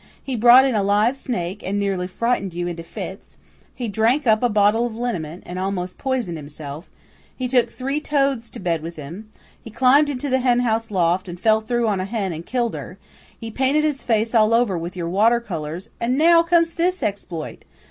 He brought in a live snake, and nearly frightened you into fits; he drank up a bottle of liniment, and almost poisoned himself; he took three toads to bed with him; he climbed into the henhouse loft, and fell through on a hen and killed her; he painted his face all over with your water colours; and now comes THIS exploit.